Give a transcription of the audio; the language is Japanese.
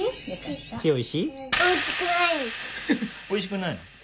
おいしくないの？